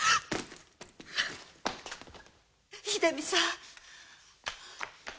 秀美さん！